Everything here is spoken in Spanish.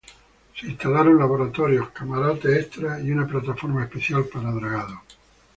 Se instalaron laboratorios, camarotes extra, y una plataforma especial para dragado.